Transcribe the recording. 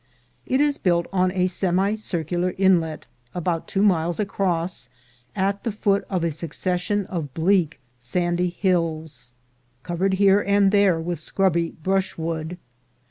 It is built on a semicircular inlet, about two miles across, at the foot of a succession of bleak sandy hills, covered here and there with scrubby brushwood.